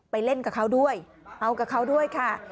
เล่นกับเขาด้วยเอากับเขาด้วยค่ะ